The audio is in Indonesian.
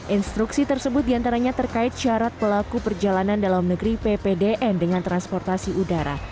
instruksi tersebut diantaranya terkait syarat pelaku perjalanan dalam negeri ppdn dengan transportasi udara